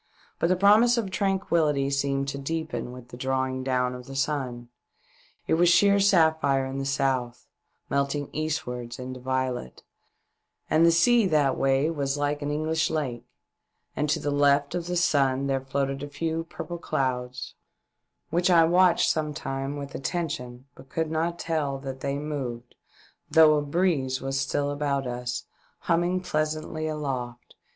But the promise of tranquility seemed to deepen with the drawing down of the sun. It was sheer sapphire in the south, melting eastwards into violet, and the sea that way was like an English lake, and to the left of the sun there floated a few purple clouds, which I watched some time with attention but could not tell that they moved, though a breeze was still about us, humming pleasantly aloft, 464 THE DEATH SHIP.